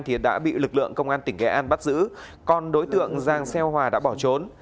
thì đã bị lực lượng công an tỉnh nghệ an bắt giữ còn đối tượng giang xeo hòa đã bỏ trốn